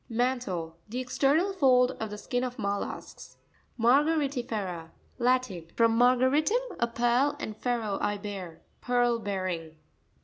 Man'tLte.—The external fold of the skin of mollusks, Ma'reariti'FerA.— Latin. From mar garitum, a pearl, and fero, I bear. Pearl bearing.